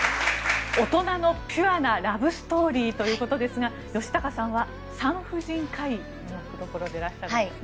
大人のピュアなラブストーリーということですが吉高さんは産婦人科医の役どころでいらっしゃるんですね。